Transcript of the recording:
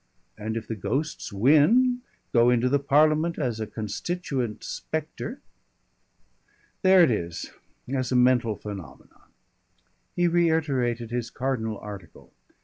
And if the ghosts win, go into the Parliament as a constituent spectre.... There it is as a mental phenomenon!" He reiterated his cardinal article.